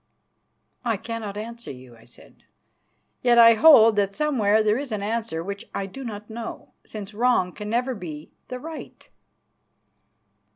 "I cannot answer you," I said; "yet I hold that somewhere there is an answer which I do not know, since wrong can never be the right."